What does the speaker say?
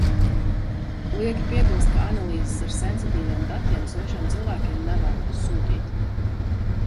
Lieki piebilst, ka analīzes ar sensitīviem datiem svešiem cilvēkiem nevēlos sūtīt.